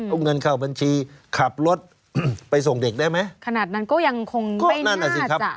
เอาเงินเข้าบัญชีขับรถไปส่งเด็กได้ไหมขนาดนั้นก็ยังคงไม่นั่นอ่ะสิครับ